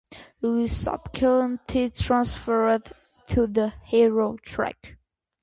Will is subsequently transferred to the "Hero" track.